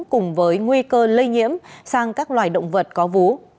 cùng với nguy cơ lây nhiễm sang các loài động vật có vú